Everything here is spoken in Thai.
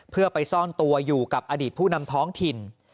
เพื่อไปซ่อนตัวอยู่กับอดีตผู้นำท้องถิ่น